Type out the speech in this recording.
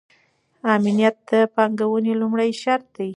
امنیت د پانګونې لومړنی شرط دی.